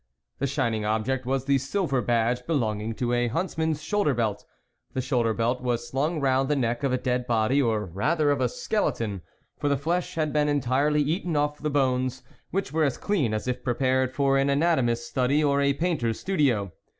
The shining object was the silver badge belonging to a hunts man's shoulder belt ; the shoulder belt was slung round the neck of a dead body, or rather of a skeleton, for the flesh had been entirely eaten off the bones, which were as clean as if prepared for an anatomist's study or a painter's studio.